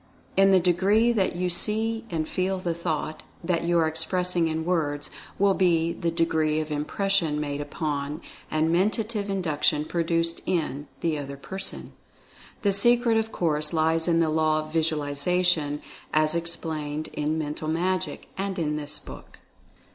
In the degree that YOU see and 236 Mental Fascination feel the thought that you are expressing in words, will be the degree of Impression made upon, and Menta tive Induction produced in, the other person. The se cret of course lies in the Law of Visualization as ex plained in "Mental Magic" and in this book.